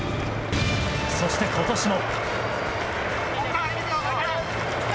そして、今年も。